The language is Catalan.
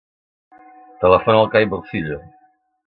Telefona al Cai Morcillo.